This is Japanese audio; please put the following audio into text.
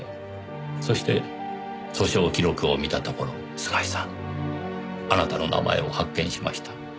そして訴訟記録を見たところ菅井さんあなたの名前を発見しました。